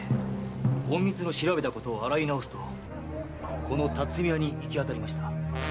隠密の調べたことを洗い直すとこの辰巳屋に行き当たりました。